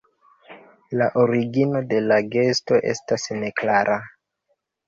La origino de la gesto estas neklara.